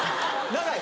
長い？